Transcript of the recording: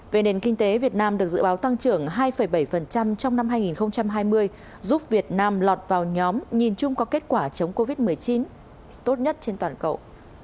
về nền kinh tế việt nam được dự báo tăng trưởng hai bảy trong năm hai nghìn hai mươi giúp việt nam lọt vào nhóm nhìn chung có kết quả chống covid một mươi chín tốt nhất trên toàn cầu